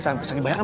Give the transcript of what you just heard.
ya sampai lupa gue